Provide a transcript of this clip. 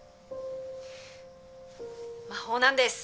魔法なんです。